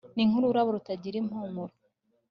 ni nk'ururabo rutagira im pumuro